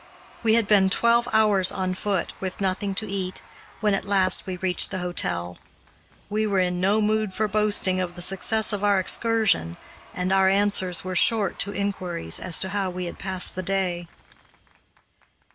We had been twelve hours on foot with nothing to eat, when at last we reached the hotel. We were in no mood for boasting of the success of our excursion, and our answers were short to inquiries as to how we had passed the day.